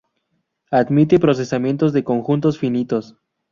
Admite procesamiento de conjuntos finitos.